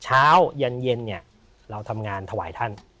เช้ายันเย็นเนี่ยเราทำงานถวายท่าน